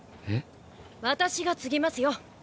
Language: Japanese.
私が継ぎますよ。